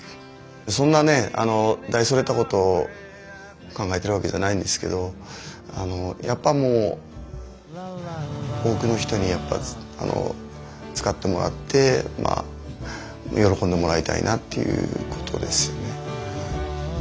そんなね大それたこと考えてるわけじゃないんですけどやっぱ多くの人に使ってもらって喜んでもらいたいなっていうことですよね。